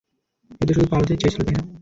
ও তো শুধু পালাতেই চেয়েছিল, তাই না?